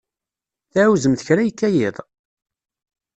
Tɛawzemt kra yekka yiḍ?